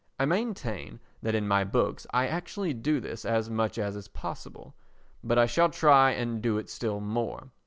I maintain that in my books I actually do this as much as is possible, but I shall try and do it still more.